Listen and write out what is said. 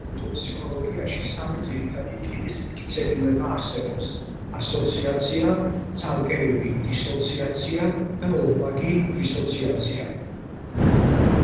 კოგნიტურ ფსიქოლოგიაში სამი ძირითადი ტიპის მტკიცებულება არსებობს: ასოციაცია, ცალკეული დისოციაცია და ორმაგი დისოციაცია.